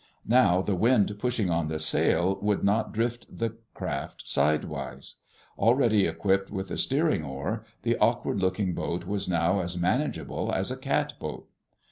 Now the wind pushing on the sail would not drift the craft sidewise. Already equipped with a steering oar, the awkward looking boat was now as manageable as a catboat.